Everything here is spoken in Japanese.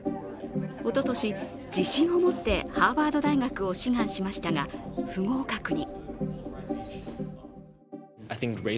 おととし、自信を持ってハーバード大学を志願しましたが、不合格に。